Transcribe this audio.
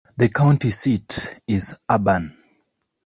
The county seat is Auburn.